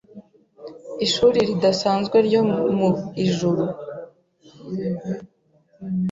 Ishuri ridasanzwe ryo mu ijuru